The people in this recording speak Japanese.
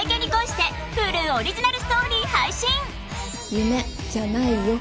夢じゃないよ。